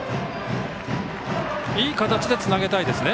いい形でつなげたいですね。